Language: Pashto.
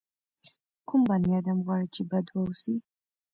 کوم بني ادم غواړي چې بد واوسي.